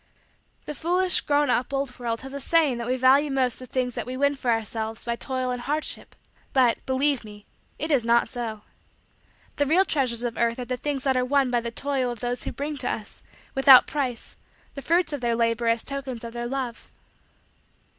The foolish, grown up, old world has a saying that we value most the things that we win for ourselves by toil and hardship; but, believe me, it is not so. The real treasures of earth are the things that are won by the toil of those who bring to us, without price, the fruits of their labor as tokens of their love.